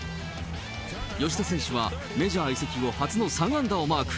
吉田選手はメジャー移籍後初の３安打をマーク。